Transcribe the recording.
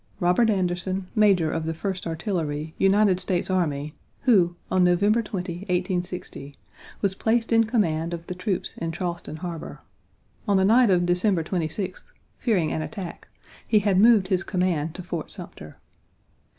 Robert Anderson, Major of the First Artillery, United States Army, who, on November 20, 1860, was placed in command of the troops in Charleston harbor. On the night of December 26th, fearing an attack, he had moved his command to Fort Sumter.